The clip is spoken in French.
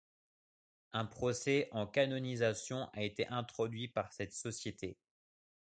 Un procès en canonisation a été introduit par cette société.